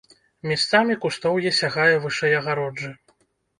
Месцамі кустоўе сягае вышэй агароджы.